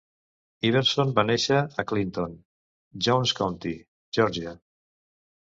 Iverson va néixer a Clinton, Jones County, Geòrgia.